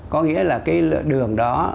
có nghĩa là cái lượng đường đó